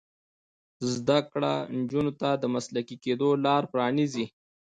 زده کړه نجونو ته د مسلکي کیدو لار پرانیزي.